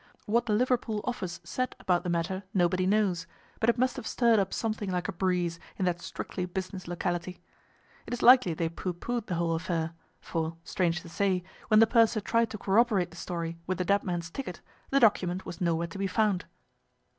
What the Liverpool office said about the matter nobody knows, but it must have stirred up something like a breeze in that strictly business locality. It is likely they pooh poohed the whole affair, for, strange to say, when the purser tried to corroborate the story with the dead man's ticket the document was nowhere to be found.